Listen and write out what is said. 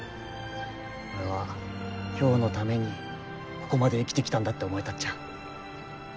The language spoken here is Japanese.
俺は今日のためにここまで生きてきたんだって思えたっちゃ。